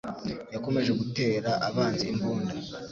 Yakomeje gutera abanzi imbunda.